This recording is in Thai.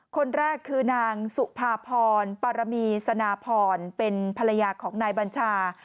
คนแรกคือนางสุภาพรปารมีสนาพรเป็นภรรยาของนายบัญชา